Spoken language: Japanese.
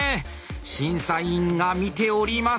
審査委員が見ております。